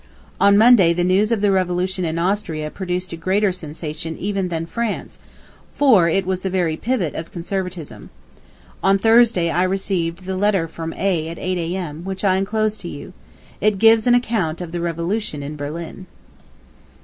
On Monday the news of the revolution in Austria produced a greater sensation even than France, for it was the very pivot of conservatism. ... On Thursday I received the letter from A. at eight A.M., which I enclose to you. It gives an account of the revolution in Berlin.